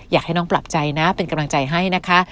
อยากให้น้องปรับใจนะเป็นกำลังใจให้นะคะ